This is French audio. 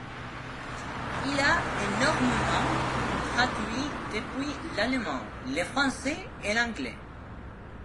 Il a énormément traduit depuis l'allemand, le français et l'anglais.